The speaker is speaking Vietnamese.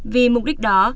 vì mục đích đó